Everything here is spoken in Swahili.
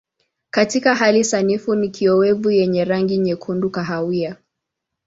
Katika hali sanifu ni kiowevu yenye rangi nyekundu kahawia.